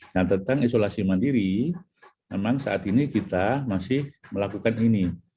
nah tentang isolasi mandiri memang saat ini kita masih melakukan ini